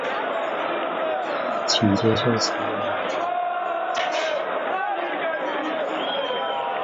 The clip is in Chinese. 天黑时，我躺在床上，他便伶伶俐俐地从我身上跨过，从我脚边飞去了。